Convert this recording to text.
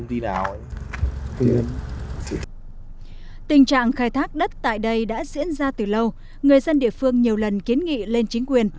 tình trạng khai thác đất tại đây đã diễn ra từ lâu người dân địa phương nhiều lần kiến nghị lên chính quyền